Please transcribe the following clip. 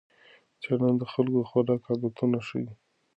څېړنه د خلکو د خوراک عادتونه ښيي.